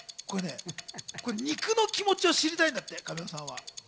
肉の気持ちを知りたいんだって、神尾さんは。